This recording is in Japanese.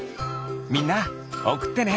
みんなおくってね！